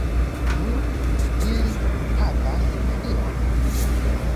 Nun ili havas nenion!